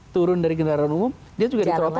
turun dari kendaraan umum dia juga di trotoar